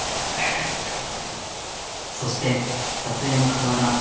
そして撮影のかたわら